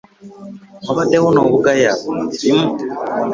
Wabaddewo n'obugayaavu mu mirimu.